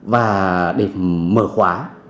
và để mở khóa